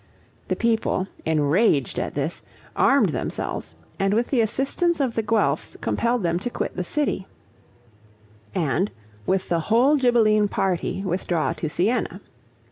The people, enraged at this, armed themselves, and with the assistance of the Guelphs, compelled them to quit the city, and, with the whole Ghibelline party, withdraw to Sienna.